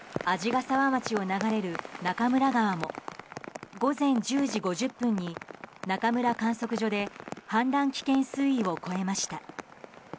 鰺ヶ沢町を流れる中村川も午前１０時５０分に中村観測所で氾濫危険水位を超えました。